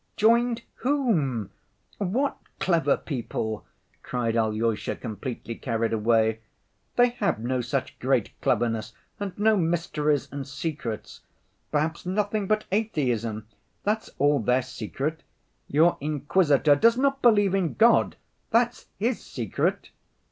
"Joined whom, what clever people?" cried Alyosha, completely carried away. "They have no such great cleverness and no mysteries and secrets.... Perhaps nothing but Atheism, that's all their secret. Your Inquisitor does not believe in God, that's his secret!"